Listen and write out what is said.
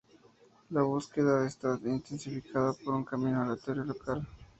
La búsqueda está intensificada por un camino aleatorio local.